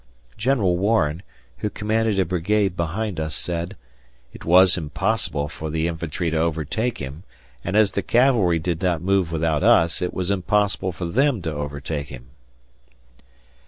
General Warren, who commanded a brigade behind us, said, "It was impossible for the infantry to overtake him and as the cavalry did not move without us, it was impossible for them to overtake him."